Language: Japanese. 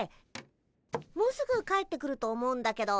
もうすぐ帰ってくると思うんだけど。